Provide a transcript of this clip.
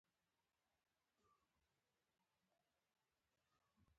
احمد علي کهزاد مزار کابل شاه دو شمشيره کي۔